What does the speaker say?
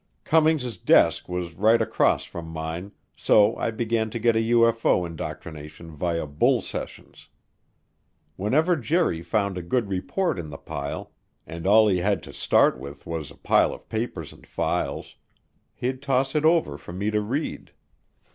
Cummings' desk was right across from mine, so I began to get a UFO indoctrination via bull sessions. Whenever Jerry found a good report in the pile and all he had to start with was a pile of papers and files he'd toss it over for me to read.